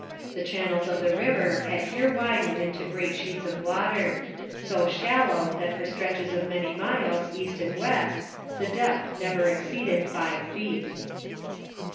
The channels of the river had here widened into great sheets of water, so shallow that for stretches of many miles, east and west, the depth never exceeded five feet.